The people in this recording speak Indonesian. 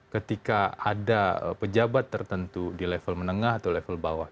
ketika ada pejabat tertentu di level menengah atau level bawah